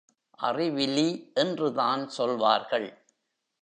அறிவிலி என்றுதான் சொல்வார்கள்.